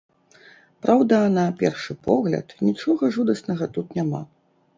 Праўда, на першы погляд, нічога жудаснага тут няма.